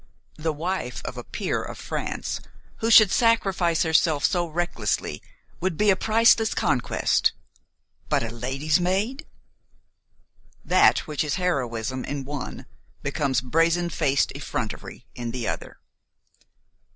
The wife of a peer of France who should sacrifice herself so recklessly would be a priceless conquest; but a lady's maid! That which is heroism in the one becomes brazen faced effrontery in the other.